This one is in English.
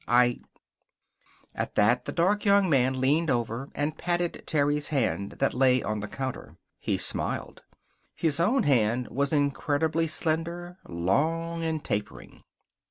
I " At that the dark young man leaned over and patted Terry's hand that lay on the counter. He smiled. His own hand was incredibly slender, long, and tapering.